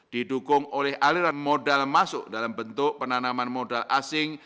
didukung oleh aliran modal masuk dalam bentuk penanaman modal asing